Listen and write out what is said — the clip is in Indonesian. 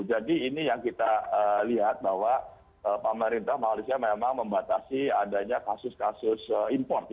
jadi ini yang kita lihat bahwa pemerintah malaysia memang membatasi adanya kasus kasus import ya